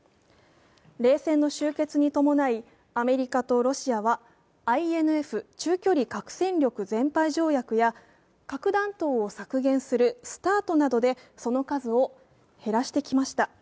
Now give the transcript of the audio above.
冷戦の終結に伴い、アメリカとロシアはＩＮＦ＝中距離核戦力全廃条約や核弾頭を削減するＳＴＡＲＴなどでその数を減らしてきました。